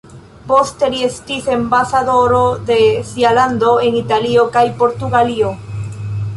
Poste li estis ambasadoro de sia lando en Italio kaj Portugalio.